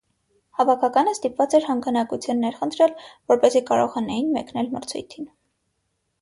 Հավաքականը ստիպված էր հանգանակություններ խնդրել, որպեսզի կարողանային մեկնել մրցույթին։